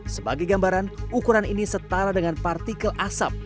sebagai gambaran ukuran ini setara dengan partikel asap